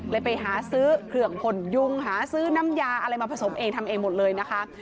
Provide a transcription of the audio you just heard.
ไปหาซื้อเครื่องผลยุงหาซื้อน้ำยาอะไรมาผสมเองทำเองหมดเลยนะคะ